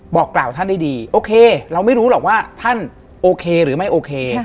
บอกกล่าวท่านได้ดีโอเคเราไม่รู้หรอกว่าท่านโอเคหรือไม่โอเค